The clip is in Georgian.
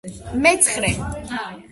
მეცხრე.